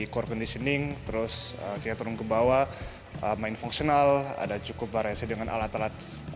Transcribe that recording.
core foundationing terus kita turun ke bawah main fungsional ada cukup variasi dengan alat alat